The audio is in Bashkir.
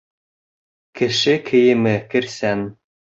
Кеше кейеме керсән.